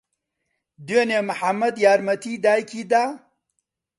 دوێنێ محەممەد یارمەتی دایکی دا؟